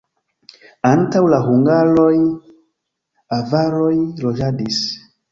Antaŭ la hungaroj avaroj loĝadis.